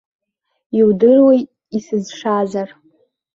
Иудыруеи исызшазар!